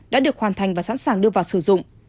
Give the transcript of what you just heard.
đã được hoàn thành và sẵn sàng đưa vào sử dụng